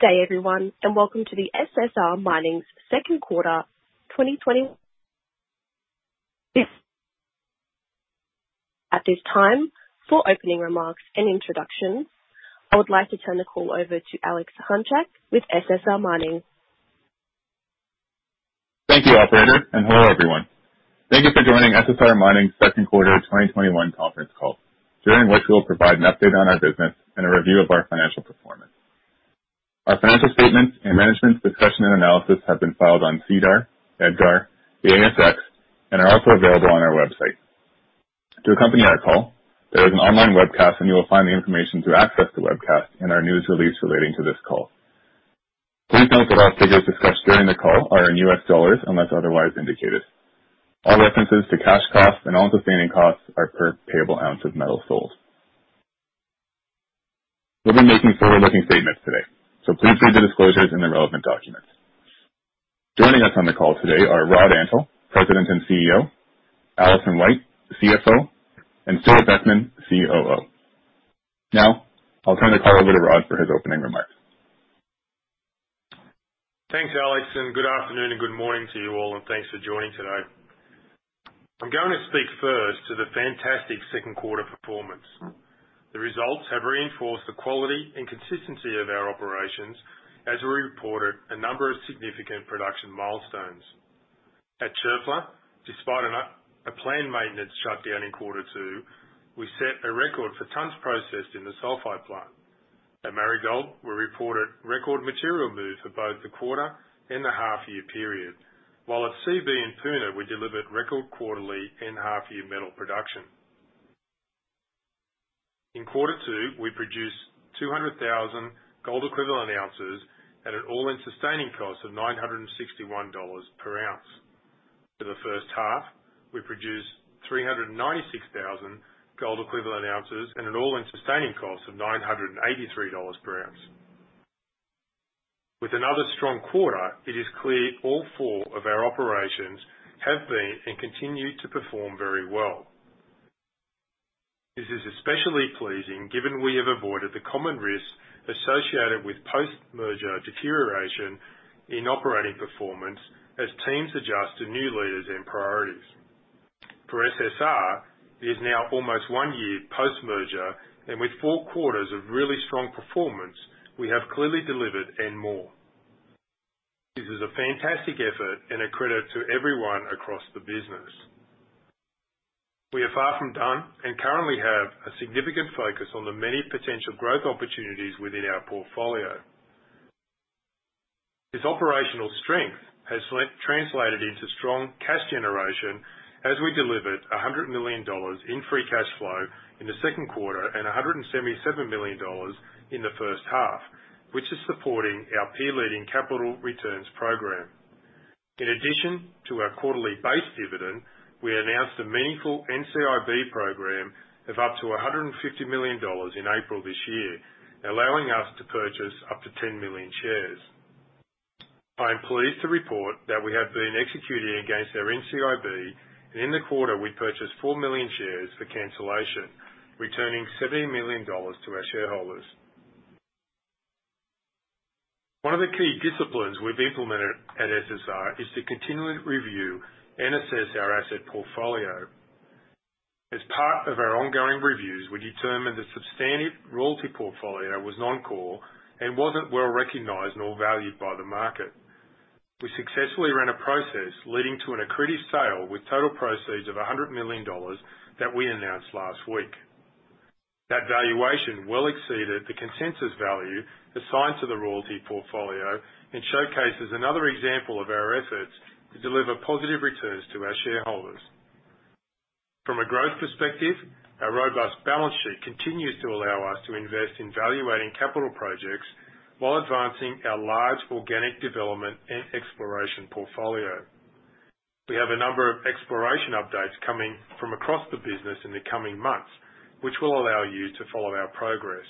Good day everyone, welcome to the SSR Mining second quarter 2021. At this time, for opening remarks and introductions, I would like to turn the call over to Alex Hunchak with SSR Mining. Thank you, operator, and hello, everyone. Thank you for joining SSR Mining's second quarter 2021 conference call, during which we will provide an update on our business and a review of our financial performance. Our financial statements and management's discussion and analysis have been filed on SEDAR, EDGAR, the ASX, and are also available on our website. To accompany our call, there is an online webcast. You will find the information to access the webcast in our news release relating to this call. Please note that all figures discussed during the call are in U.S. dollars, unless otherwise indicated. All references to cash costs and all-in sustaining costs are per payable ounce of metal sold. We'll be making forward-looking statements today, so please read the disclosures in the relevant documents. Joining us on the call today are Rod Antal, President and CEO, Alison White, the CFO, and Stewart Beckman, COO. I'll turn the call over to Rod for his opening remarks. Thanks, Alex. Good afternoon and good morning to you all. Thanks for joining today. I'm going to speak first to the fantastic second quarter performance. The results have reinforced the quality and consistency of our operations, as we reported a number of significant production milestones. At Çöpler, despite a planned maintenance shutdown in quarter two, we set a record for tons processed in the Sulfide Plant. At Marigold, we reported record material move for both the quarter and the half-year period, while at Seabee and Puna, we delivered record quarterly and half-year metal production. In quarter two, we produced 200,000 gold equivalent ounces at an all-in sustaining cost of $961 per ounce. For the first half, we produced 396,000 gold equivalent ounces and an all-in sustaining cost of $983 per ounce. With another strong quarter, it is clear all four of our operations have been and continue to perform very well. This is especially pleasing given we have avoided the common risks associated with post-merger deterioration in operating performance as teams adjust to new leaders and priorities. For SSR, it is now almost one year post-merger, and with four quarters of really strong performance, we have clearly delivered and more. This is a fantastic effort and a credit to everyone across the business. We are far from done and currently have a significant focus on the many potential growth opportunities within our portfolio. This operational strength has translated into strong cash generation as we delivered $100 million in free cash flow in the second quarter and $177 million in the first half, which is supporting our peer-leading capital returns program. In addition to our quarterly base dividend, we announced a meaningful NCIB program of up to $150 million in April this year, allowing us to purchase up to 10 million shares. I am pleased to report that we have been executing against our NCIB, and in the quarter we purchased 4 million shares for cancellation, returning $70 million to our shareholders. One of the key disciplines we've implemented at SSR is to continually review and assess our asset portfolio. As part of our ongoing reviews, we determined the substantive royalty portfolio was non-core and wasn't well-recognized nor valued by the market. We successfully ran a process leading to an accretive sale with total proceeds of $100 million that we announced last week. That valuation well exceeded the consensus value assigned to the royalty portfolio and showcases another example of our efforts to deliver positive returns to our shareholders. From a growth perspective, our robust balance sheet continues to allow us to invest in value-adding capital projects while advancing our large organic development and exploration portfolio. We have a number of exploration updates coming from across the business in the coming months, which will allow you to follow our progress.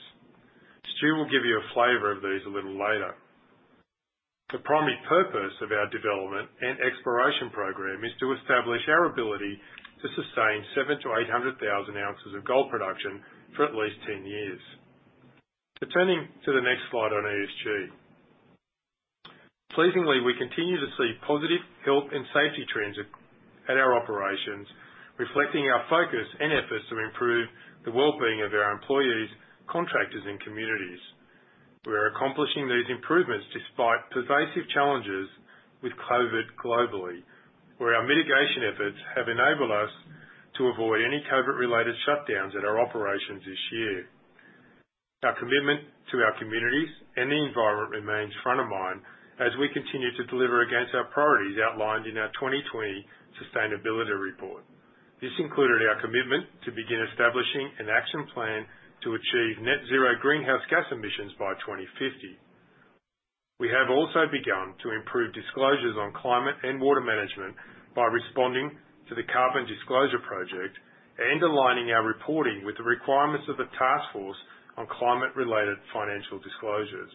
Stu will give you a flavor of these a little later. The primary purpose of our development and exploration program is to establish our ability to sustain 700,000-800,000oz of gold production for at least 10 years. Turning to the next slide on ESG. Pleasingly, we continue to see positive health and safety trends at our operations, reflecting our focus and efforts to improve the well-being of our employees, contractors, and communities. We are accomplishing these improvements despite pervasive challenges with COVID globally, where our mitigation efforts have enabled us to avoid any COVID-related shutdowns at our operations this year. Our commitment to our communities and the environment remains front of mind as we continue to deliver against our priorities outlined in our 2020 Sustainability Report. This included our commitment to begin establishing an action plan to achieve net zero greenhouse gas emissions by 2050. We have also begun to improve disclosures on climate and water management by responding to the Carbon Disclosure Project and aligning our reporting with the requirements of the Task Force on Climate-related Financial Disclosures.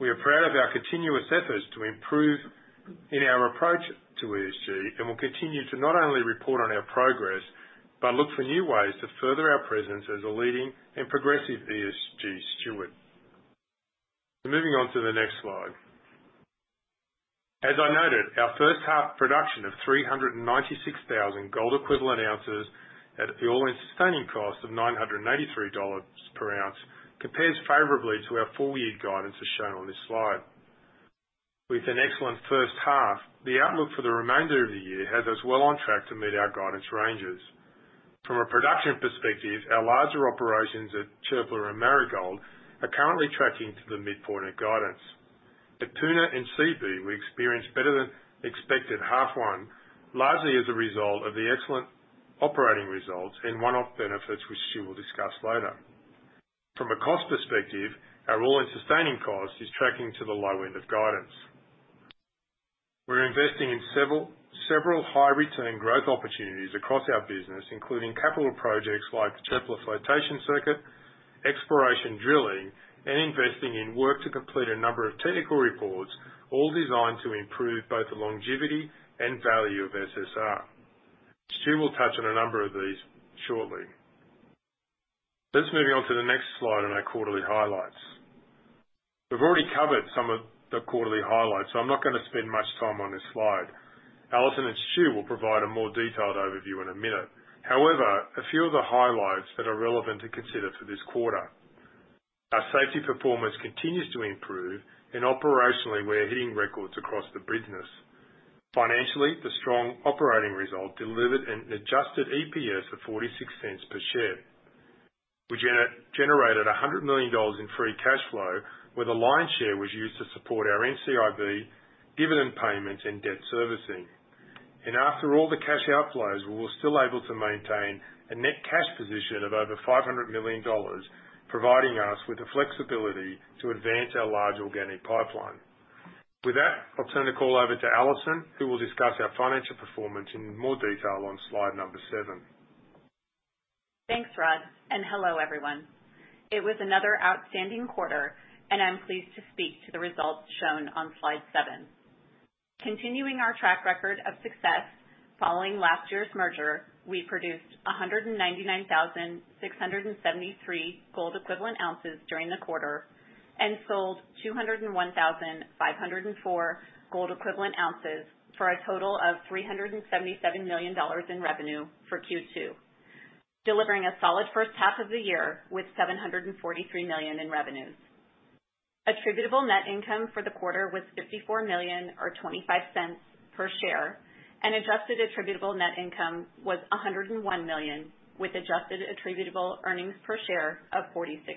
We are proud of our continuous efforts to improve in our approach to ESG, and we'll continue to not only report on our progress, but look for new ways to further our presence as a leading and progressive ESG steward. Moving on to the next slide. As I noted, our first half production of 396,000 gold equivalent ounces at the all-in sustaining cost of $983 per ounce, compares favorably to our full year guidance as shown on this slide. With an excellent first half, the outlook for the remainder of the year has us well on track to meet our guidance ranges. From a production perspective, our larger operations at Çöpler and Marigold are currently tracking to the midpoint of guidance. At Puna and Seabee, we experienced better than expected half 1, largely as a result of the excellent operating results and one-off benefits, which Stu will discuss later. From a cost perspective, our all-in sustaining cost is tracking to the low end of guidance. We're investing in several high return growth opportunities across our business, including capital projects like Çöpler flotation circuit, exploration drilling, and investing in work to complete a number of technical reports, all designed to improve both the longevity and value of SSR. Stu will touch on a number of these shortly. Let's moving on to the next slide on our quarterly highlights. We've already covered some of the quarterly highlights. I'm not going to spend much time on this slide. Alison and Stu will provide a more detailed overview in a minute. However, a few of the highlights that are relevant to consider for this quarter. Our safety performance continues to improve, and operationally, we're hitting records across the business. Financially, the strong operating result delivered an adjusted EPS of $0.46 per share. We generated $100 million in free cash flow, where the lion's share was used to support our NCIB dividend payments and debt servicing. After all the cash outflows, we were still able to maintain a net cash position of over $500 million, providing us with the flexibility to advance our large organic pipeline. With that, I'll turn the call over to Alison, who will discuss our financial performance in more detail on slide number seven. Thanks, Rod, and hello, everyone. It was another outstanding quarter, and I'm pleased to speak to the results shown on slide seven. Continuing our track record of success following last year's merger, we produced 199,673 gold equivalent ounces during the quarter and sold 201,504 gold equivalent ounces for a total of $377 million in revenue for Q2, delivering a solid first half of the year with $743 million in revenues. Attributable net income for the quarter was $54 million or $0.25 per share, and adjusted attributable net income was $101 million, with adjusted attributable earnings per share of $0.46.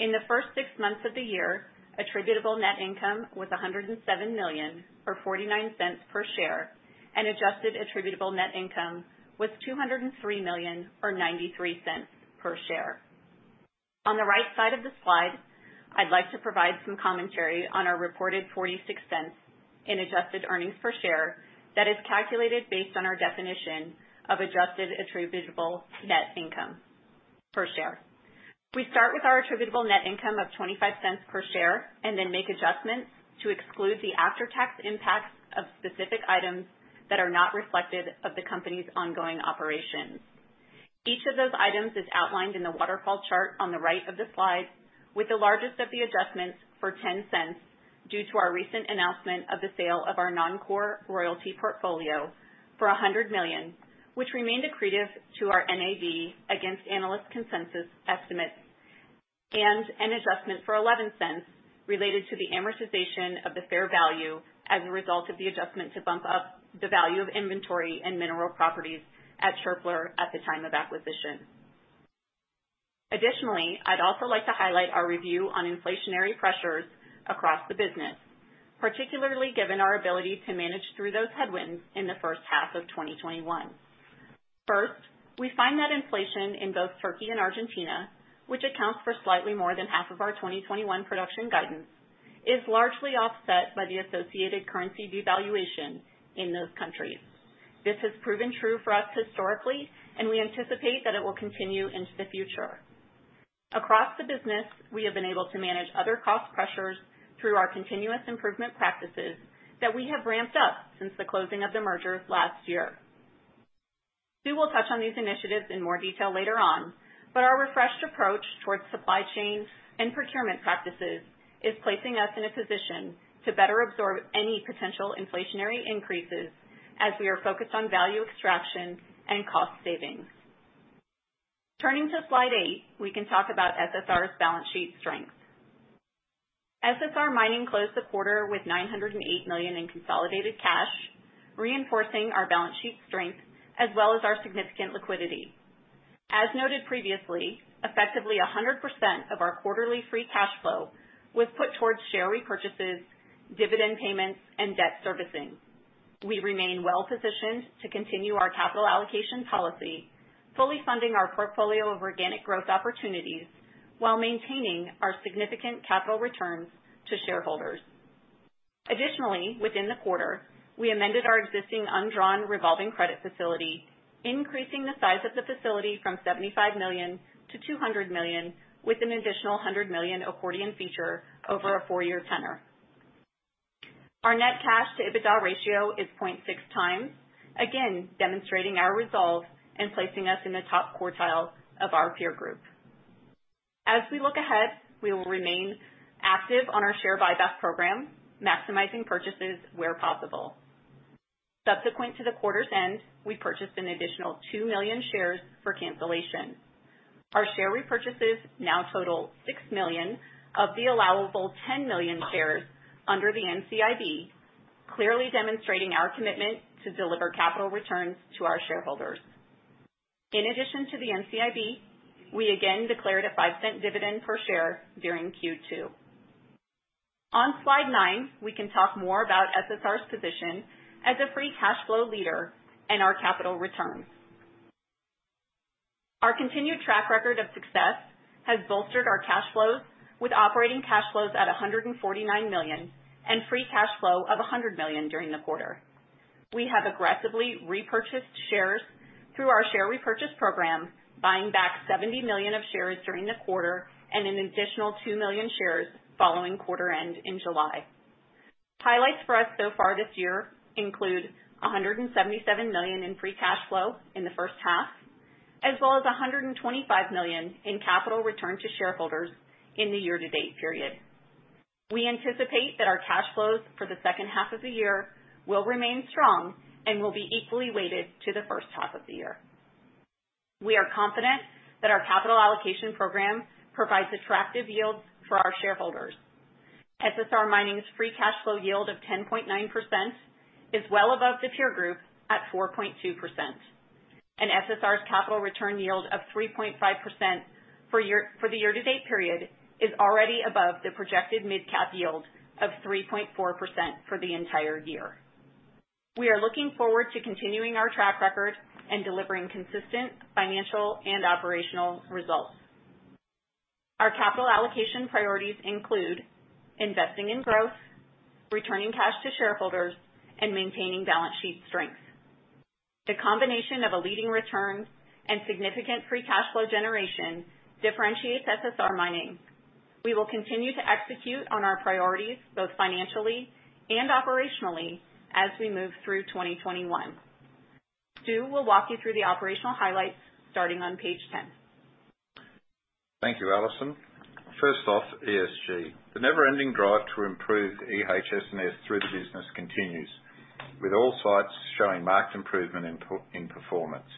In the first six months of the year, attributable net income was $107 million or $0.49 per share. Adjusted attributable net income was $203 million or $0.93 per share. On the right side of the slide, I'd like to provide some commentary on our reported $0.46 in adjusted earnings per share that is calculated based on our definition of adjusted attributable net income per share. We start with our attributable net income of $0.25 per share. Then make adjustments to exclude the after-tax impacts of specific items that are not reflective of the company's ongoing operations. Each of those items is outlined in the waterfall chart on the right of the slide, with the largest of the adjustments for $0.10 due to our recent announcement of the sale of our non-core royalty portfolio for $100 million, which remained accretive to our NAV against analyst consensus estimates, and an adjustment for $0.11 related to the amortization of the fair value as a result of the adjustment to bump up the value of inventory and mineral properties at Çöpler at the time of acquisition. I'd also like to highlight our review on inflationary pressures across the business, particularly given our ability to manage through those headwinds in the first half of 2021. First, we find that inflation in both Türkiye and Argentina, which accounts for slightly more than half of our 2021 production guidance, is largely offset by the associated currency devaluation in those countries. This has proven true for us historically, and we anticipate that it will continue into the future. Across the business, we have been able to manage other cost pressures through our continuous improvement practices that we have ramped up since the closing of the merger last year. Stu will touch on these initiatives in more detail later on, but our refreshed approach towards supply chain and procurement practices is placing us in a position to better absorb any potential inflationary increases as we are focused on value extraction and cost savings. Turning to slide eight, we can talk about SSR's balance sheet strength. SSR Mining closed the quarter with $908 million in consolidated cash, reinforcing our balance sheet strength as well as our significant liquidity. As noted previously, effectively 100% of our quarterly free cash flow was put towards share repurchases, dividend payments, and debt servicing. We remain well positioned to continue our capital allocation policy, fully funding our portfolio of organic growth opportunities while maintaining our significant capital returns to shareholders. Within the quarter, we amended our existing undrawn revolving credit facility, increasing the size of the facility from $75 million to $200 million, with an additional $100 million accordion feature over a four-year tenure. Our net cash to EBITDA ratio is 0.6 times, again, demonstrating our resolve and placing us in the top quartile of our peer group. As we look ahead, we will remain active on our share buyback program, maximizing purchases where possible. Subsequent to the quarter's end, we purchased an additional 2 million shares for cancellation. Our share repurchases now total 6 million of the allowable 10 million shares under the NCIB, clearly demonstrating our commitment to deliver capital returns to our shareholders. In addition to the NCIB, we again declared a $0.05 dividend per share during Q2. On slide nine, we can talk more about SSR's position as a free cash flow leader and our capital returns. Our continued track record of success has bolstered our cash flows, with operating cash flows at $149 million and free cash flow of $100 million during the quarter. We have aggressively repurchased shares through our share repurchase program, buying back $70 million of shares during the quarter and an additional 2 million shares following quarter end in July. Highlights for us so far this year include $177 million in free cash flow in the first half, as well as $125 million in capital return to shareholders in the year-to-date period. We anticipate that our cash flows for the second half of the year will remain strong and will be equally weighted to the first half of the year. We are confident that our capital allocation program provides attractive yields for our shareholders. SSR Mining's free cash flow yield of 10.9% is well above the peer group at 4.2%. SSR's capital return yield of 3.5% for the year-to-date period is already above the projected mid-cap yield of 3.4% for the entire year. We are looking forward to continuing our track record and delivering consistent financial and operational results. Our capital allocation priorities include investing in growth, returning cash to shareholders, and maintaining balance sheet strength. The combination of a leading return and significant free cash flow generation differentiates SSR Mining. We will continue to execute on our priorities, both financially and operationally, as we move through 2021. Stu will walk you through the operational highlights starting on page 10. Thank you, Alison. First off, ESG. The never-ending drive to improve EHS&S through the business continues, with all sites showing marked improvement in performance.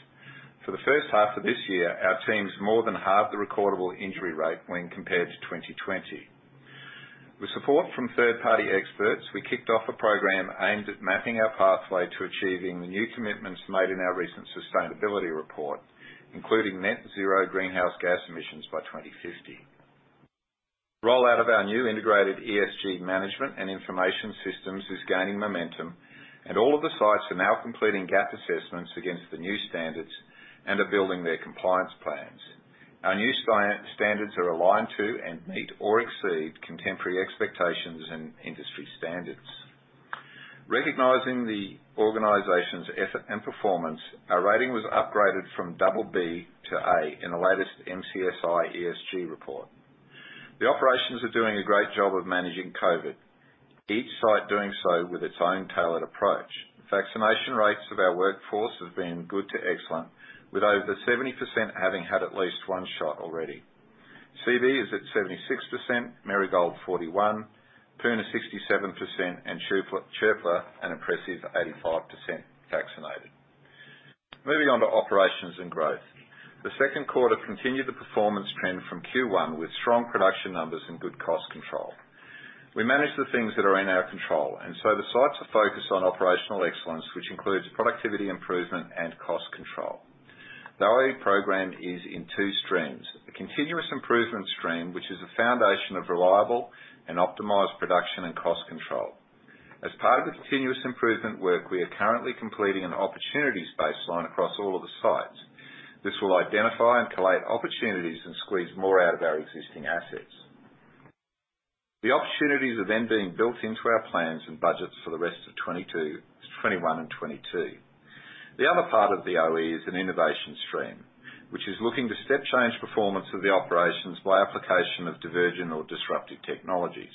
For the first half of this year, our team's more than halved the recordable injury rate when compared to 2020. With support from third-party experts, we kicked off a program aimed at mapping our pathway to achieving the new commitments made in our recent sustainability report, including net zero greenhouse gas emissions by 2050. Rollout of our new integrated ESG management and information systems is gaining momentum. All of the sites are now completing gap assessments against the new standards and are building their compliance plans. Our new standards are aligned to and meet or exceed contemporary expectations and industry standards. Recognizing the organization's effort and performance, our rating was upgraded from double B to A in the latest MSCI ESG report. The operations are doing a great job of managing COVID, each site doing so with its own tailored approach. Vaccination rates of our workforce have been good to excellent, with over 70% having had at least one shot already. Seabee is at 76%, Marigold 41%, Puna 67%, and Çöpler an impressive 85% vaccinated. Moving on to operations and growth. The 2nd quarter continued the performance trend from Q1 with strong production numbers and good cost control. We manage the things that are in our control, so the sites are focused on operational excellence, which includes productivity improvement and cost control. The OE Program is in two streams, the Continuous Improvement Stream, which is the foundation of reliable and optimized production and cost control. As part of the continuous improvement work, we are currently completing an opportunities baseline across all of the sites. This will identify and collate opportunities and squeeze more out of our existing assets. The opportunities are then being built into our plans and budgets for the rest of 2021 and 2022. The other part of the OE is an innovation stream, which is looking to step change performance of the operations by application of divergent or disruptive technologies.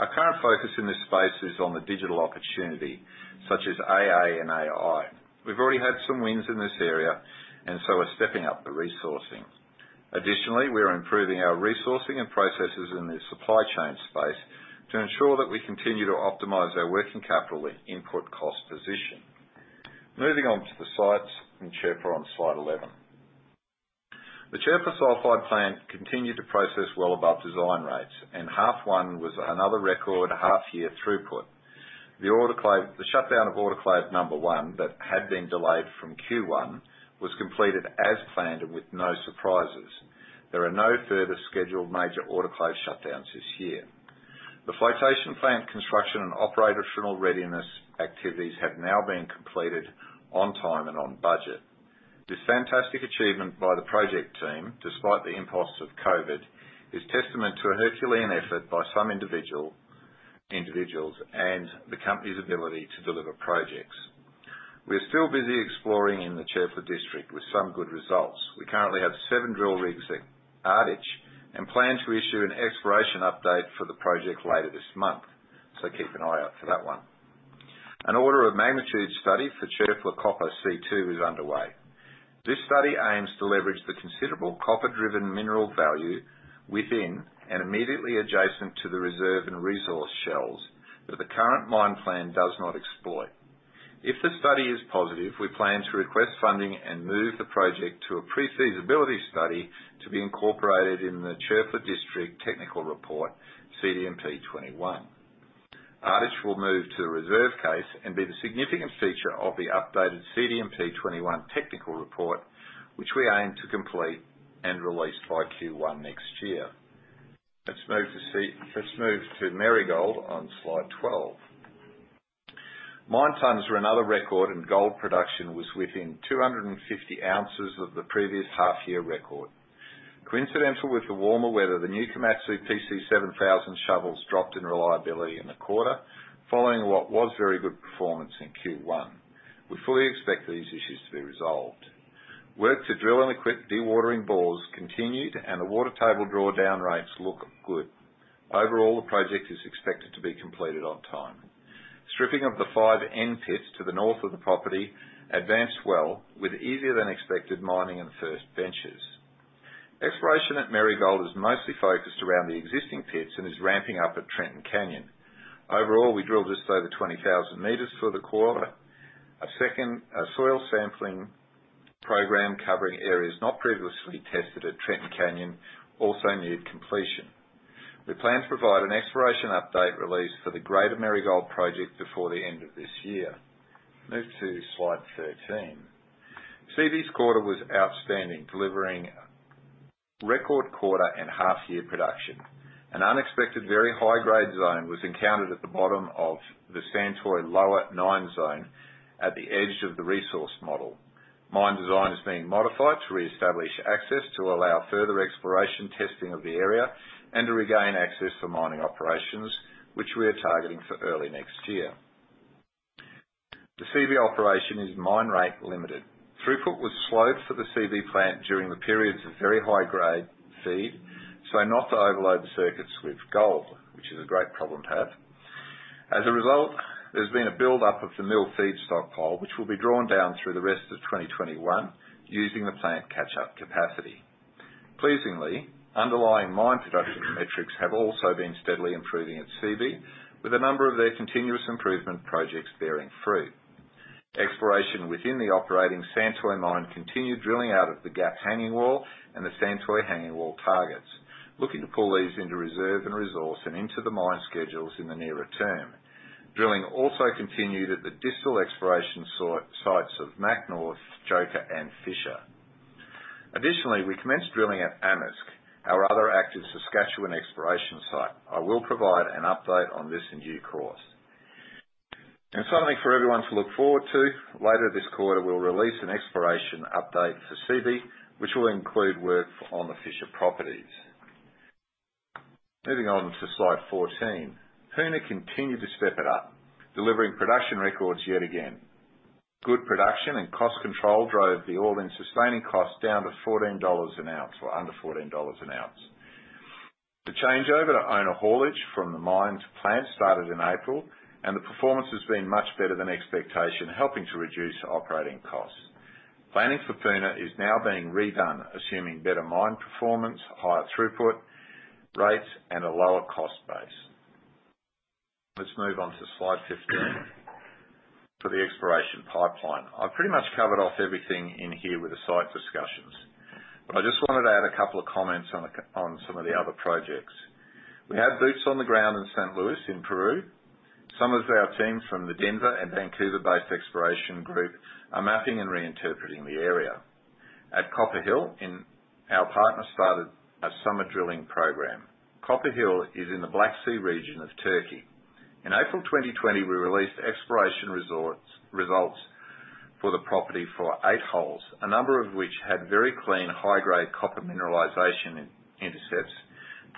Our current focus in this space is on the digital opportunity, such as AA and AI. We've already had some wins in this area, and so are stepping up the resourcing. Additionally, we are improving our resourcing and processes in the supply chain space to ensure that we continue to optimize our working capital and input cost position. Moving on to the sites and Çöpler on slide 11. The Çöpler Sulfide Plant continued to process well above design rates, and H1 was another record half-year throughput. The shutdown of autoclave number one that had been delayed from Q1 was completed as planned and with no surprises. There are no further scheduled major autoclave shutdowns this year. The flotation plant construction and operational readiness activities have now been completed on time and on budget. This fantastic achievement by the project team, despite the impacts of COVID, is testament to a Herculean effort by some individuals, and the company's ability to deliver projects. We are still busy exploring in the Çöpler District with some good results. We currently have seven drill rigs at Ardich, and plan to issue an exploration update for the project later this month. Keep an eye out for that one. An order of magnitude study for Çöpler Copper C2 is underway. This study aims to leverage the considerable copper-driven mineral value within, and immediately adjacent to the reserve and resource shells that the current mine plan does not exploit. If the study is positive, we plan to request funding and move the project to a pre-feasibility study to be incorporated in the Çöpler District Technical Report, CDMP21. Ardich will move to a reserve case and be the significant feature of the updated CDMP21 technical report, which we aim to complete and release by Q1 next year. Let's move to Marigold on slide 12. Mine tons were another record. Gold production was within 250 ounces of the previous half-year record. Coincidental with the warmer weather, the new Komatsu PC7000 shovels dropped in reliability in the quarter, following what was a very good performance in Q1. We fully expect these issues to be resolved. Work to drill and equip dewatering bores continued. The water table drawdown rates look good. Overall, the project is expected to be completed on time. Stripping of the 5N pits to the north of the property advanced well, with easier than expected mining in the first benches. Exploration at Marigold is mostly focused around the existing pits and is ramping up at Trenton Canyon. Overall, we drilled just over 20,000 meters for the quarter. A soil sampling program covering areas not previously tested at Trenton Canyon also neared completion. We plan to provide an exploration update release for the greater Marigold project before the end of this year. Move to slide 13. Seabee's quarter was outstanding, delivering a record quarter and half-year production. An unexpected very high-grade zone was encountered at the bottom of the Santoy Lower Nine Zone at the edge of the resource model. Mine design is being modified to reestablish access to allow further exploration testing of the area, and to regain access for mining operations, which we are targeting for early next year. The Seabee operation is mine rate limited. Throughput was slowed for the Seabee plant during the periods of very high-grade feed, so as not to overload the circuits with gold, which is a great problem to have. As a result, there's been a buildup of the mill feed stockpile, which will be drawn down through the rest of 2021 using the plant catch-up capacity. Pleasingly, underlying mine production metrics have also been steadily improving at Seabee, with a number of their continuous improvement projects bearing fruit. Exploration within the operating Santoy mine continued drilling out of the Gap Hanging Wall and the Santoy Hanging Wall targets. Looking to pull these into reserve and resource and into the mine schedules in the nearer term. Drilling also continued at the distal exploration sites of Mac North, Joker, and Fisher. Additionally, we commenced drilling at Amisk, our other active Saskatchewan exploration site. I will provide an update on this in due course. Something for everyone to look forward to, later this quarter, we'll release an exploration update for Seabee, which will include work on the Fisher properties. Moving on to slide 14. Puna continued to step it up, delivering production records yet again. Good production and cost control drove the all-in sustaining cost down to under $14 an ounce. The changeover to owner haulage from the mine to plant started in April, and the performance has been much better than expectation, helping to reduce operating costs. Planning for Puna is now being redone, assuming better mine performance, higher throughput rates, and a lower cost base. Let's move on to slide 15. For the exploration pipeline. I pretty much covered off everything in here with the site discussions. I just wanted to add a couple of comments on some of the other projects. We have boots on the ground in San Luis in Peru. Some of our teams from the Denver and Vancouver-based exploration group are mapping and reinterpreting the area. At Copper Hill, our partner started a summer drilling program. Copper Hill is in the Black Sea region of Türkiye. In April 2020, we released exploration results for the property for eight holes, a number of which had very clean, high-grade copper mineralization intercepts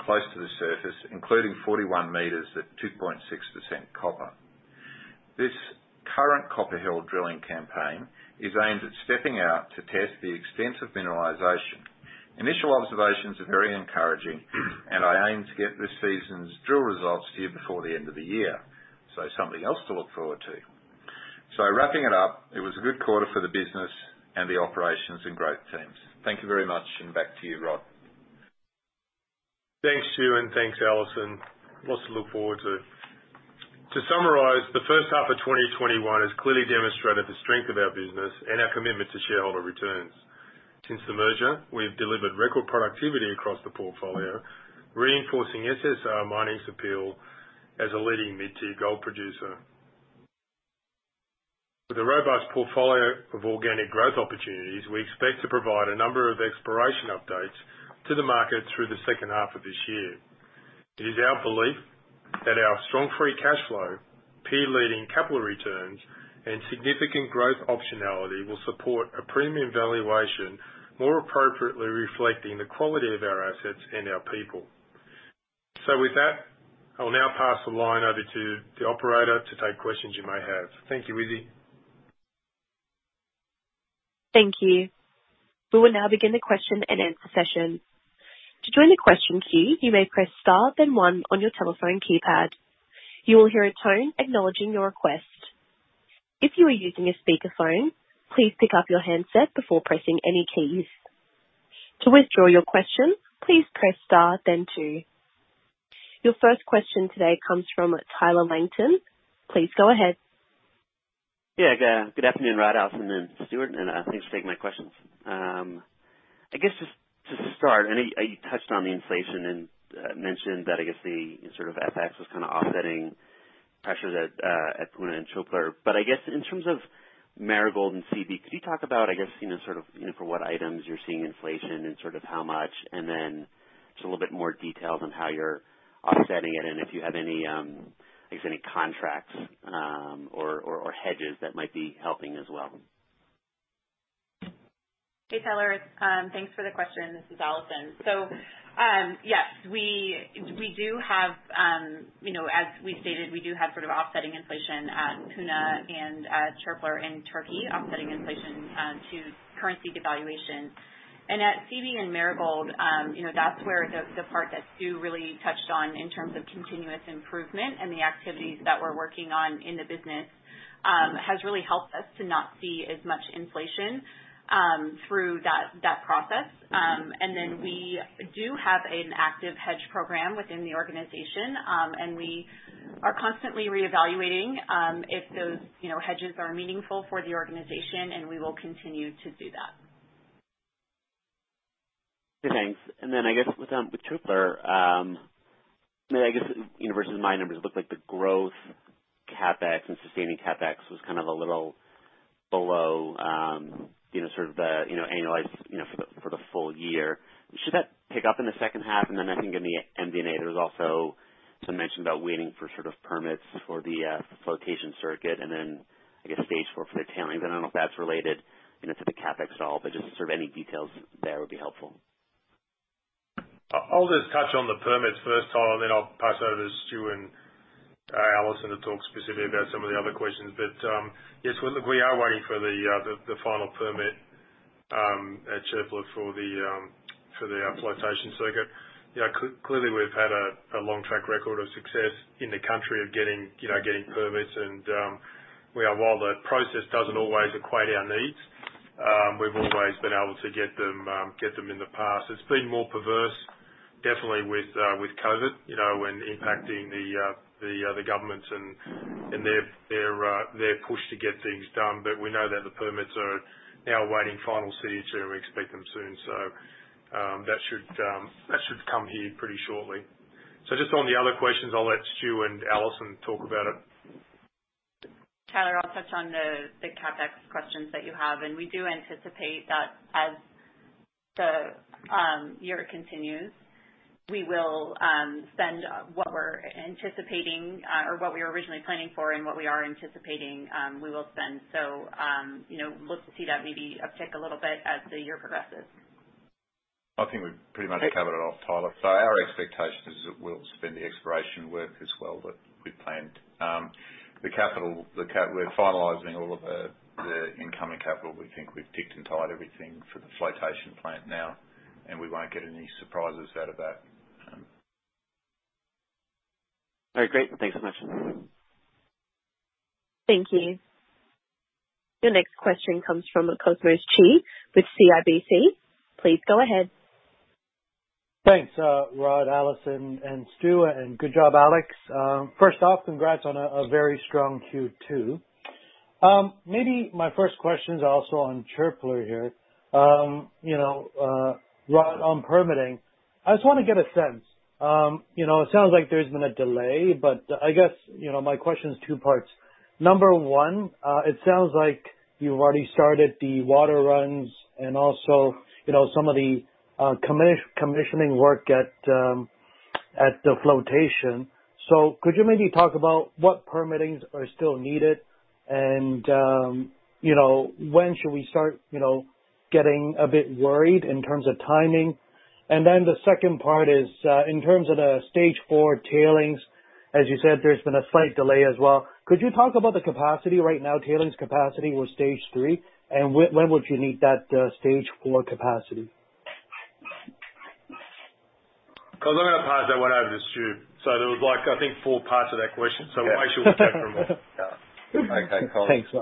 close to the surface, including 41m at 2.6% copper. This current Copper Hill drilling campaign is aimed at stepping out to test the extensive mineralization. Initial observations are very encouraging, and I aim to get this season's drill results to you before the end of the year. Something else to look forward to. Wrapping it up, it was a good quarter for the business and the operations, and great teams. Thank you very much. And back to you, Rod. Thanks, Stewart. Thanks, Alison. Lots to look forward to. To summarize, the first half of 2021 has clearly demonstrated the strength of our business and our commitment to shareholder returns. Since the merger, we have delivered record productivity across the portfolio, reinforcing SSR Mining's appeal as a leading mid-tier gold producer. With a robust portfolio of organic growth opportunities, we expect to provide a number of exploration updates to the market through the second half of this year. It is our belief that our strong free cash flow, peer-leading capital returns, and significant growth optionality will support a premium valuation, more appropriately reflecting the quality of our assets and our people. With that, I will now pass the line over to the operator to take questions you may have. Thank you, Izzy. Thank you. We will now begin the question and answer session. Your first question today comes from Tyler Langton. Please go ahead. Good afternoon, Rod, Alison, and Stewart, and thanks for taking my questions. Just to start, you touched on the inflation and mentioned that the FX was kind of offsetting pressures at Puna and Çöpler. In terms of Marigold and Seabee, could you talk about for what items you're seeing inflation and how much? Just a little bit more details on how you're offsetting it and if you have any contracts or hedges that might be helping as well. Hey, Tyler. Thanks for the question. This is Alison. Yes, as we stated, we do have sort of offsetting inflation at Puna and Çöpler in Türkiye offsetting inflation to currency devaluation. At Seabee and Marigold, that's where the part that Stu really touched on in terms of continuous improvement and the activities that we're working on in the business has really helped us to not see as much inflation through that process. Then we do have an active hedge program within the organization. We are constantly reevaluating if those hedges are meaningful for the organization, and we will continue to do that. Thanks. I guess with Çöpler, I guess versus my numbers, it looked like the growth CapEx and sustaining CapEx was a little below the annualized for the full year. Should that pick up in the second half? I think in the MD&A, there was also some mention about waiting for permits for the flotation circuit and then, I guess, stage four for the tailings. I don't know if that's related to the CapEx at all, but just any details there would be helpful. I'll just touch on the permits first, Tyler, then I'll pass over to Stu and Alison to talk specifically about some of the other questions. Yes, we are waiting for the final permit at Çöpler for the flotation circuit. Clearly, we've had a long track record of success in the country of getting permits. While the process doesn't always equate our needs, we've always been able to get them in the past. It's been more perverse, definitely with COVID, when impacting the governments and their push to get things done. We know that the permits are now awaiting final signature, and we expect them soon. That should come here pretty shortly. Just on the other questions, I'll let Stu and Alison talk about it. Tyler, I'll touch on the CapEx questions that you have, and we do anticipate that as the year continues, we will spend what we're anticipating or what we were originally planning for and what we are anticipating we will spend. Look to see that maybe uptick a little bit as the year progresses. I think we've pretty much covered it off, Tyler. Our expectation is that we'll spend the exploration work as well that we planned. The capital, we're finalizing all of the incoming capital. We think we've ticked and tied everything for the flotation plant now, and we won't get any surprises out of that. All right, great. Thanks so much. Thank you. Your next question comes from Cosmos Chiu with CIBC. Please go ahead. Thanks, Rod, Alison, and Stu, and good job, Alex. First off, congrats on a very strong Q2. Maybe my first question is also on Çöpler here. Rod, on permitting, I just want to get a sense. It sounds like there's been a delay. I guess my question is two parts. Number one, it sounds like you've already started the water runs and also some of the commissioning work at the flotation. Could you maybe talk about what permitting are still needed? When should we start getting a bit worried in terms of timing? The second part is, in terms of the stage four tailings, as you said, there's been a slight delay as well. Could you talk about the capacity right now, tailings capacity with stage three? When would you need that stage four capacity? Cosmos, I'm going to pass that one over to Stu. There was, I think, four parts to that question. Make sure you take them all. Okay. Thanks.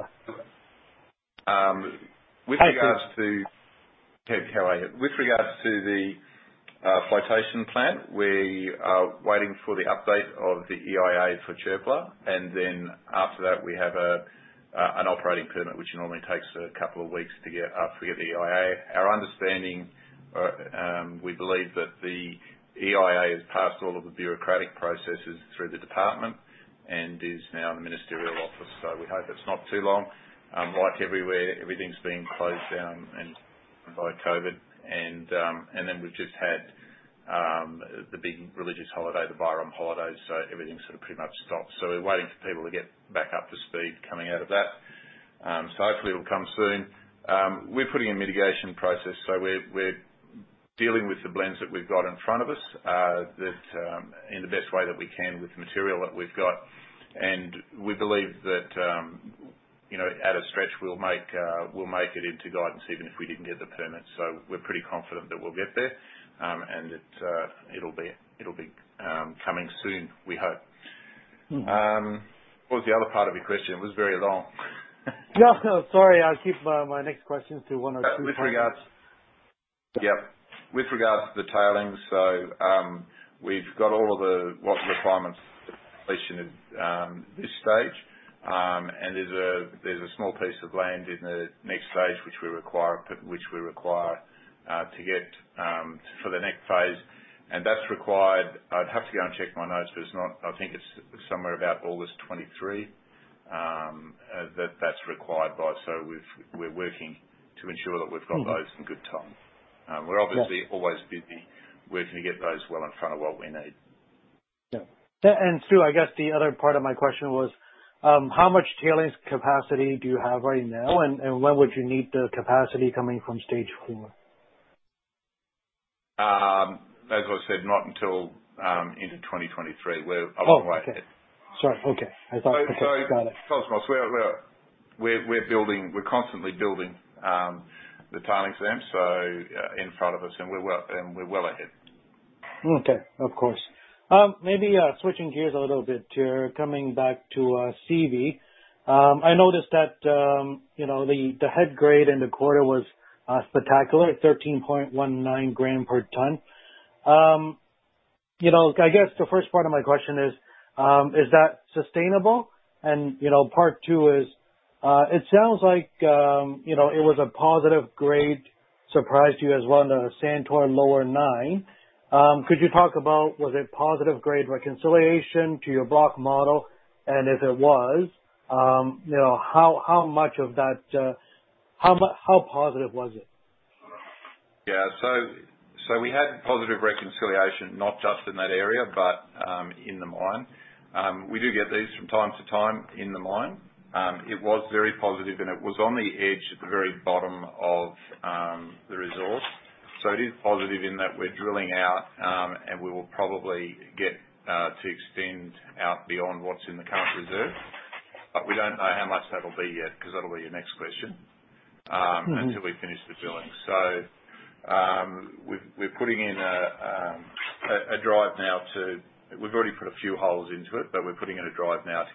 With regards to- Hey. Hey, how are you? With regards to the flotation plant, we are waiting for the update of the EIA for Çöpler. After that, we have an operating permit, which normally takes a couple of weeks to get after we get the EIA. Our understanding, we believe that the EIA has passed all of the bureaucratic processes through the department and is now in the ministerial office. We hope it's not too long. Like everywhere, everything's being closed down. By COVID. Then we've just had the big religious holiday, the Bayram holidays. Everything sort of pretty much stopped. We're waiting for people to get back up to speed coming out of that. Hopefully it'll come soon. We're putting in mitigation process, so we're dealing with the blends that we've got in front of us in the best way that we can with the material that we've got. We believe that at a stretch, we'll make it into guidance even if we didn't get the permit. We're pretty confident that we'll get there. That it'll be coming soon, we hope. What was the other part of your question? It was very long. Yeah. No, sorry. I'll keep my next questions to one or two points. Yep. With regards to the tailings, we've got all of the requirements completion at this stage. There's a small piece of land in the next stage which we require to get for the next phase. That's required, I'd have to go and check my notes, but I think it's somewhere about August 2023, that that's required by. We're working to ensure that we've got those in good time. Yeah. We're obviously always busy working to get those well in front of what we need. Yeah. Stu, I guess the other part of my question was, how much tailings capacity do you have right now, and when would you need the capacity coming from stage four? As I said, not until into 2023. We're a long way ahead. Oh, okay. Sorry. Okay. So- Okay. Got it. We're constantly building the tailings dam in front of us, and we're well ahead. Okay. Of course. Maybe switching gears a little bit here, coming back to Seabee. I noticed that the head grade in the quarter was spectacular at 13.19g per ton. I guess the first part of my question is that sustainable? Part two is, it sounds like it was a positive grade, surprised you as well under Santoy lower nine. Could you talk about, was it positive grade reconciliation to your block model? If it was, how positive was it? Yeah. We had positive reconciliation, not just in that area, but in the mine. We do get these from time to time in the mine. It was very positive, and it was on the edge at the very bottom of the resource. It is positive in that we're drilling out, and we will probably get to extend out beyond what's in the current reserve. We don't know how much that'll be yet, because that'll be your next question. Until we finish the drilling. We're putting in a drive now to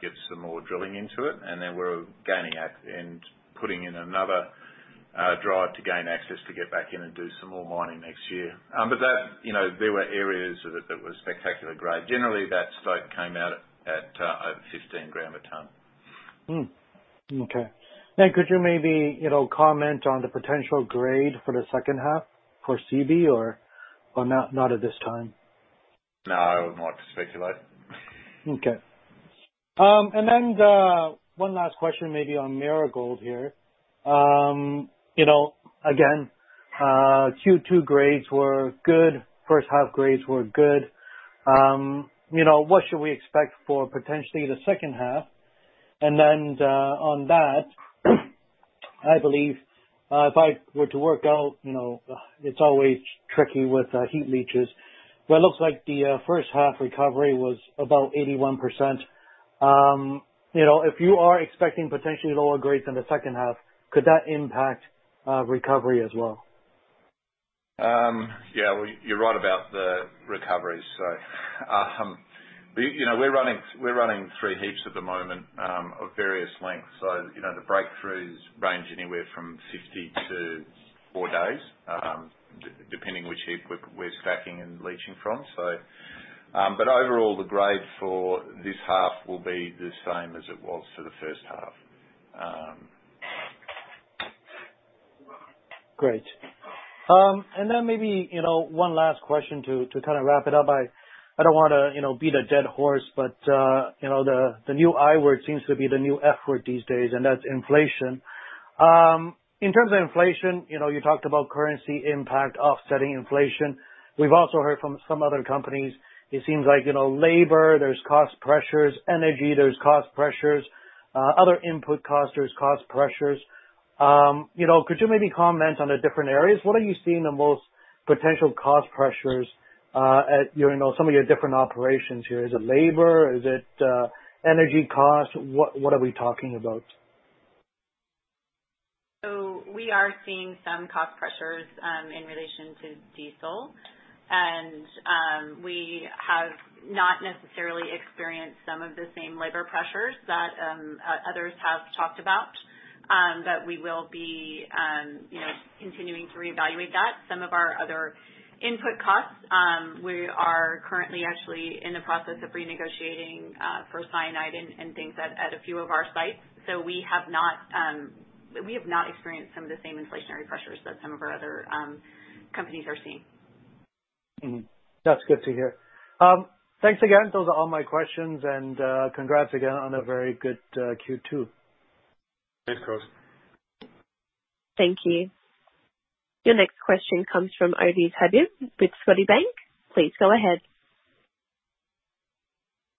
get some more drilling into it. We're gaining and putting in another drive to gain access to get back in and do some more mining next year. There were areas that were spectacular grade. Generally that stope came out at over 15g a ton. Okay. Now, could you maybe comment on the potential grade for the second half for Seabee, or not at this time? No, I would not speculate. Okay. One last question maybe on Marigold here. Again, Q2 grades were good, first half grades were good. What should we expect for potentially the second half? On that, I believe, if I were to work out, it's always tricky with heat leaches. Well, looks like the first half recovery was about 81%. If you are expecting potentially lower grades in the second half, could that impact recovery as well? Yeah. Well, you're right about the recovery. We're running three heaps at the moment of various lengths. The breakthroughs range anywhere from 60 to four days, depending which heap we're stacking and leaching from. Overall, the grade for this half will be the same as it was for the first half. Great. Maybe one last question to kind of wrap it up. I don't want to beat a dead horse, the new I-word seems to be the new F-word these days, that's inflation. In terms of inflation, you talked about currency impact offsetting inflation. We've also heard from some other companies, it seems like, labor, there's cost pressures, energy, there's cost pressures, other input cost, there's cost pressures. Could you maybe comment on the different areas? What are you seeing the most potential cost pressures at some of your different operations here? Is it labor? Is it energy cost? What are we talking about? We are seeing some cost pressures in relation to diesel. We have not necessarily experienced some of the same labor pressures that others have talked about. We will be continuing to reevaluate that. Some of our other input costs, we are currently actually in the process of renegotiating for cyanide and things at a few of our sites. We have not experienced some of the same inflationary pressures that some of our other companies are seeing. That's good to hear. Thanks again. Those are all my questions. Congrats again on a very good Q2. Thanks, Cosmos. Thank you. Your next question comes from Ovais Habib with Scotiabank. Please go ahead.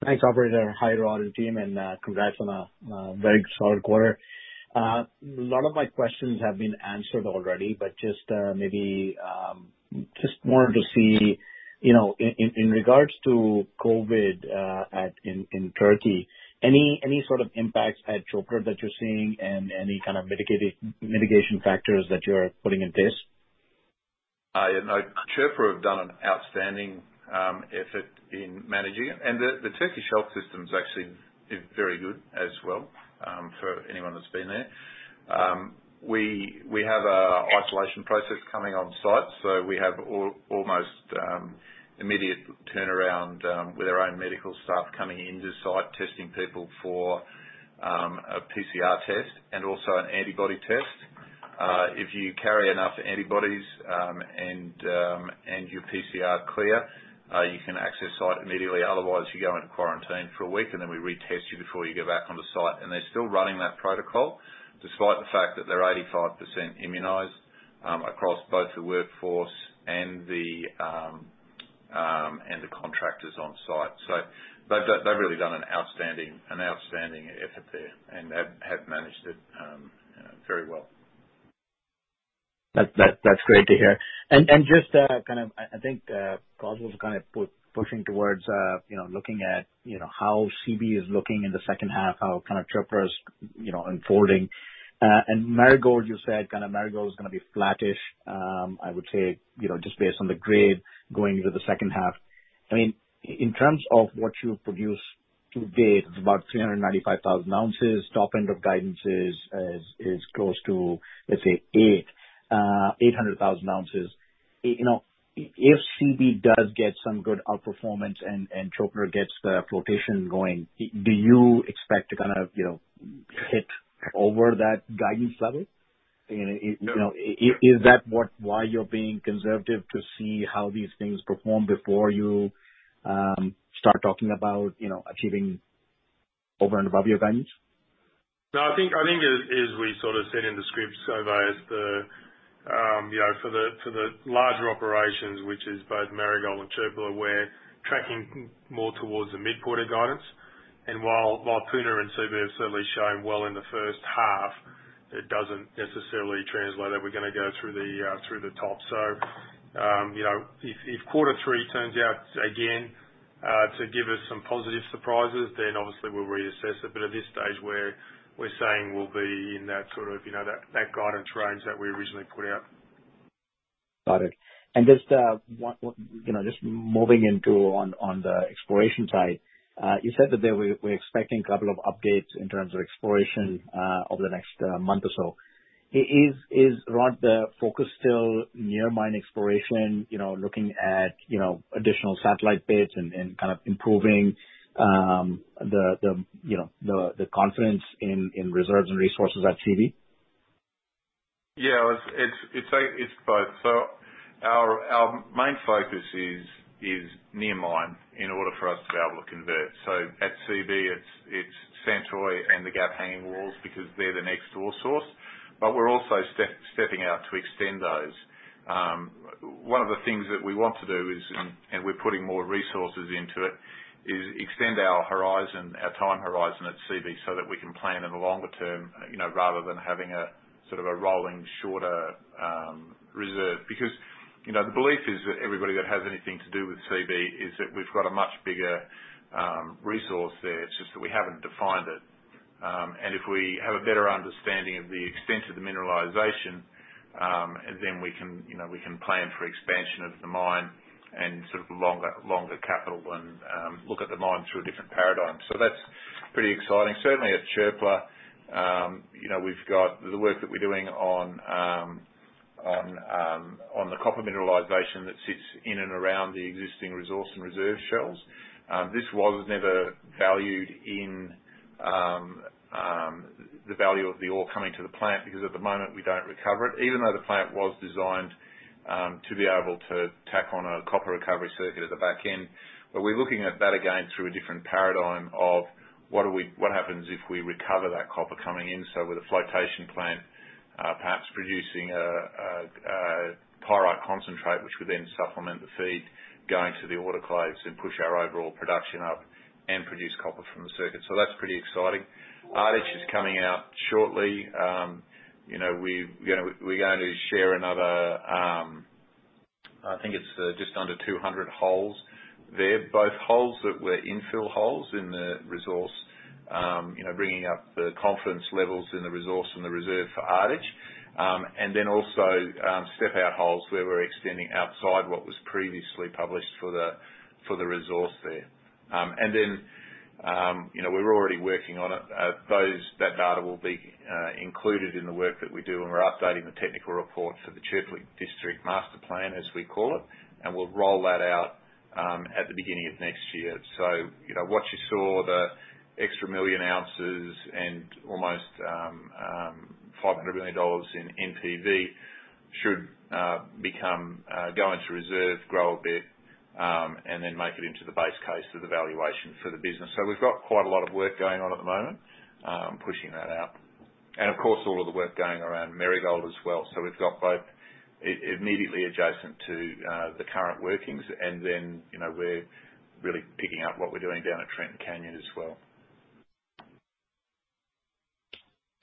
Thanks, operator. Hi to all the team, congrats on a very solid quarter. A lot of my questions have been answered already, just maybe just wanted to see, in regards to COVID in Türkiye, any sort of impacts at Çöpler that you're seeing and any kind of mitigation factors that you're putting in place? Çöpler have done an outstanding effort in managing it. The Turkish health system is actually very good as well, for anyone that's been there. We have an isolation process coming on site. We have almost immediate turnaround with our own medical staff coming into site, testing people for a PCR test and also an antibody test. If you carry enough antibodies, and you're PCR clear, you can access site immediately. Otherwise, you go into quarantine for a week, and then we retest you before you go back on the site. They're still running that protocol, despite the fact that they're 85% immunized across both the workforce and the contractors on site. They've really done an outstanding effort there and have managed it very well. That's great to hear. Just I think Cosmos was kind of pushing towards looking at how Seabee is looking in the second half, how Çöpler is unfolding. Marigold, you said Marigold is gonna be flattish, I would say, just based on the grade going into the second half. In terms of what you've produced to date, it's about 395,000oz. Top end of guidance is close to, let's say 800,000oz. If Seabee does get some good outperformance and Çöpler gets the flotation going, do you expect to hit over that guidance level? No. Is that why you're being conservative to see how these things perform before you start talking about achieving over and above your guidance? No, I think as we sort of said in the script, Ovais, for the larger operations, which is both Marigold and Çöpler, we're tracking more towards the mid-quarter guidance. While Puna and Seabee have certainly shown well in the first half, it doesn't necessarily translate that we're going to go through the top. If quarter three turns out, again, to give us some positive surprises, then obviously we'll reassess it. At this stage, we're saying we'll be in that sort of guidance range that we originally put out. Got it. Just moving into on the exploration side. You said that we're expecting two updates in terms of exploration over the next month or so. Is, Rod, the focus still near mine exploration, looking at additional satellite pits and kind of improving the confidence in reserves and resources at Seabee? Yeah, it's both. Our main focus is near mine in order for us to be able to convert. At Seabee, it's Santoy and the Gap Hanging Walls because they're the next ore source. We're also stepping out to extend those. One of the things that we want to do is, and we're putting more resources into it, is extend our time horizon at Seabee so that we can plan in the longer term rather than having a sort of a rolling shorter reserve. The belief is that everybody that has anything to do with Seabee is that we've got a much bigger resource there. It's just that we haven't defined it. If we have a better understanding of the extent of the mineralization, then we can plan for expansion of the mine and sort of longer capital and look at the mine through a different paradigm. That's pretty exciting. Certainly at Çöpler, we've got the work that we're doing on the copper mineralization that sits in and around the existing resource and reserve shells. This was never valued in the value of the ore coming to the plant because at the moment we don't recover it, even though the plant was designed to be able to tack on a copper recovery circuit at the back end. We're looking at that again through a different paradigm of what happens if we recover that copper coming in. With a flotation plant perhaps producing a pyrite concentrate, which would then supplement the feed going to the autoclaves and push our overall production up and produce copper from the circuit. That's pretty exciting. Ardich is coming out shortly. We're going to share another, I think it's just under 200 holes there, both holes that were infill holes in the resource, bringing up the confidence levels in the resource and the reserve for Ardich. Also step-out holes where we're extending outside what was previously published for the resource there. We're already working on it. That data will be included in the work that we do when we're updating the technical report for the Çöpler District Master Plan, as we call it, and we'll roll that out at the beginning of next year. What you saw, the extra million ounces and almost $500 million in NPV should go into reserve, grow a bit, and then make it into the base case for the valuation for the business. We've got quite a lot of work going on at the moment, pushing that out. Of course, all of the work going around Marigold as well. We've got both immediately adjacent to the current workings and then, we're really picking up what we're doing down at Trenton Canyon as well.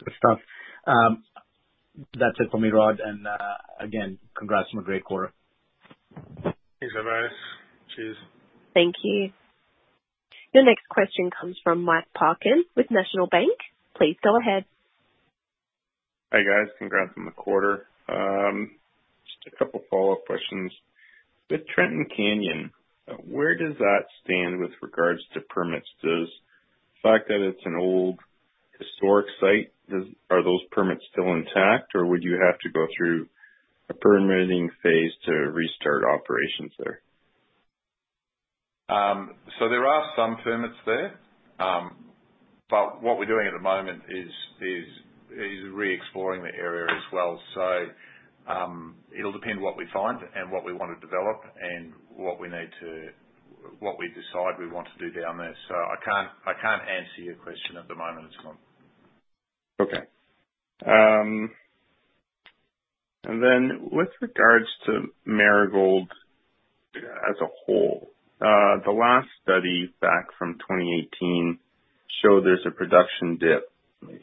Good stuff. That's it for me, Rod, and again, congrats on a great quarter. Thanks, Ovais. Cheers. Thank you. Your next question comes from Mike Parkin with National Bank. Please go ahead. Hi, guys. Congrats on the quarter. Just a couple follow-up questions. With Trenton Canyon, where does that stand with regards to permits? Does the fact that it's an old historic site, are those permits still intact, or would you have to go through a permitting phase to restart operations there? There are some permits there. What we're doing at the moment is re-exploring the area as well. It'll depend what we find and what we want to develop and what we decide we want to do down there. I can't answer your question at the moment, Mike. Okay. With regards to Marigold as a whole. The last study back from 2018 showed there's a production dip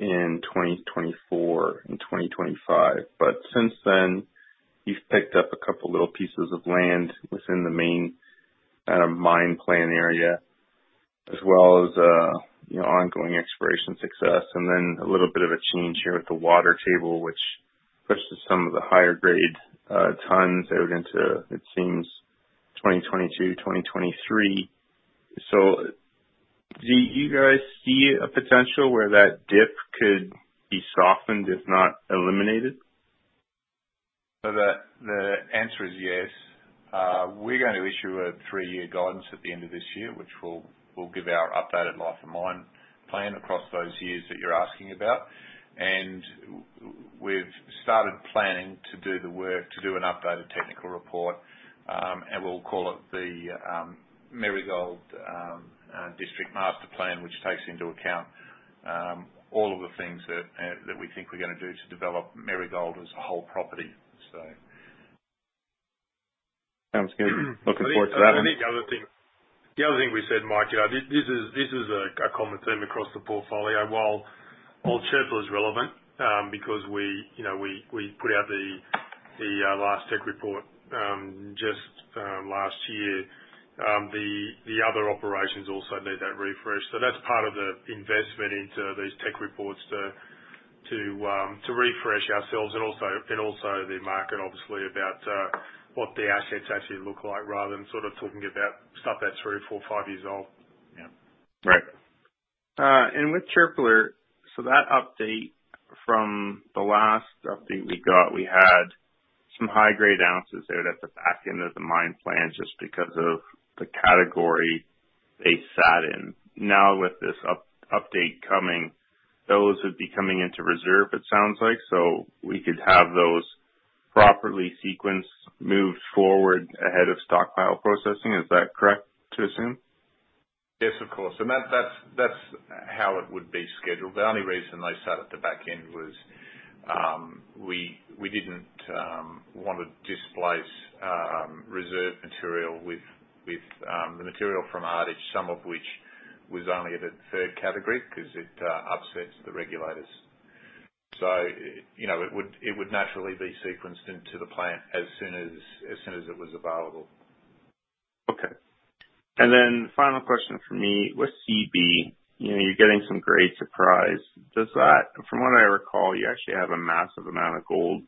in 2024 and 2025. Since then, you've picked up a two little pieces of land within the main mine plan area, as well as ongoing exploration success, and then a little bit of a change here with the water table, which pushes some of the higher grade tons out into, it seems 2022, 2023. Do you guys see a potential where that dip could be softened, if not eliminated? The answer is yes. We're going to issue a three-year guidance at the end of this year, which will give our updated life of mine plan across those years that you're asking about. We've started planning to do the work to do an updated technical report, and we'll call it the Marigold District Master Plan, which takes into account all of the things that we think we're gonna do to develop Marigold as a whole property. Sounds good. Looking forward to that. I think the other thing we said, Mike, this is a common theme across the portfolio. While Çöpler is relevant, because we put out the last tech report just last year. The other operations also need that refresh. That's part of the investment into these tech reports to refresh ourselves and also the market, obviously, about what the assets actually look like, rather than sort of talking about stuff that's three, four, five years old. Yeah. Right. With Çöpler, that update from the last update we got, we had some high-grade ounces out at the back end of the mine plan just because of the category they sat in. Now with this update coming, those would be coming into reserve, it sounds like. We could have those properly sequenced, moved forward ahead of stockpile processing. Is that correct to assume? Yes, of course. That's how it would be scheduled. The only reason they sat at the back end was, we didn't want to displace reserve material with the material from Ardich, some of which was only at a third category, because it upsets the regulators. It would naturally be sequenced into the plant as soon as it was available. Okay. Final question from me. With Seabee, you're getting some great surprise. From what I recall, you actually have a massive amount of gold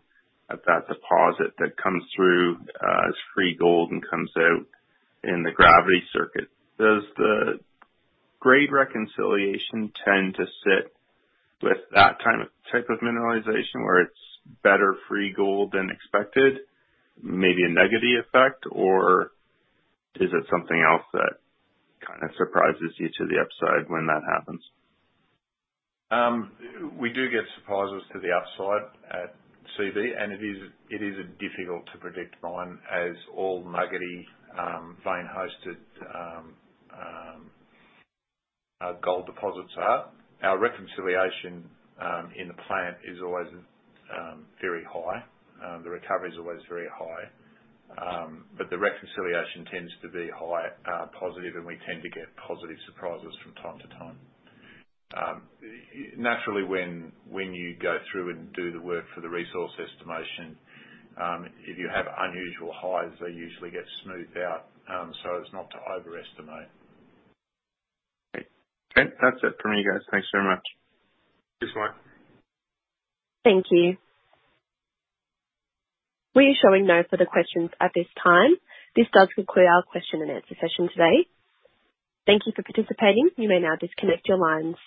at that deposit that comes through as free gold and comes out in the gravity circuit. Does the grade reconciliation tend to sit with that type of mineralization, where it's better free gold than expected, maybe a nuggety effect? Is it something else that kind of surprises you to the upside when that happens? We do get surprises to the upside at Seabee, and it is a difficult-to-predict mine as all nuggety, vein-hosted gold deposits are. Our reconciliation in the plant is always very high. The recovery is always very high. The reconciliation tends to be high positive, and we tend to get positive surprises from time to time. Naturally, when you go through and do the work for the resource estimation, if you have unusual highs, they usually get smoothed out, so as not to overestimate. Great. Okay. That's it from me, guys. Thanks very much. Thanks, Mike. Thank you. We are showing no further questions at this time. This does conclude our question and answer session today. Thank you for participating. You may now disconnect your lines.